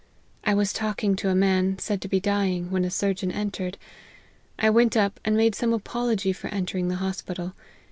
I was talking to a man, said to be dying, when a surgeon entered. I went up, and made some apology for entering the hos pital.